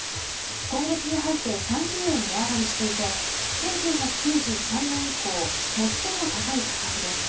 今月に入って３０円値上がりしていて１９９３年以降最も高い価格です。